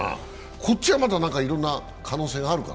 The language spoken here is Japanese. ネッツはまだいろんな可能性あるかな。